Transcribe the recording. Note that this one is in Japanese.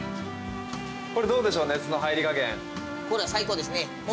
これどうですか熱の入り加減。